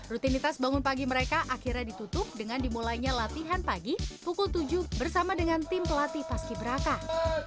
rutinitas bangun pagi mereka akhirnya ditutup dengan dimulainya latihan pagi pukul tujuh bersama dengan tim pelatih paski beraka